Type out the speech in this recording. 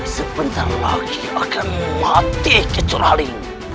sebentar lagi akan mati kecuali